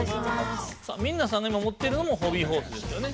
ミンナさんが今もってるのもホビーホースですよね？